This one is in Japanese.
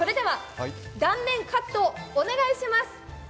断面カット、お願いします！